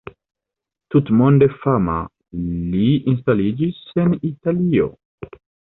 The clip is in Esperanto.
Tutmonde fama, li instaliĝis en Italio.